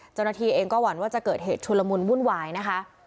เจ้าหน้าที่เองก็หวั่นว่าจะเกิดเหตุชุลมุนวุ่นวายนะคะ